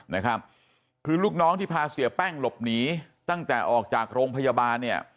นะครับคือลูกน้องที่พาเสียแป้งหลบหนีตั้งแต่ออกจากโรงพยาบาลเนี่ย